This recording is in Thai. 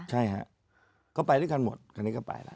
ใช่ฮะก็ไปด้วยกันหมดคันนี้ก็ไปแล้ว